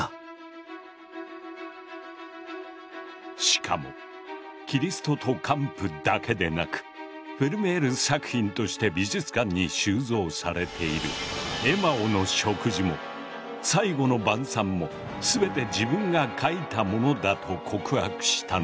しかも「キリストと姦婦」だけでなくフェルメール作品として美術館に収蔵されている「エマオの食事」も「最後の晩餐」も全て自分が描いたものだと告白したのだ。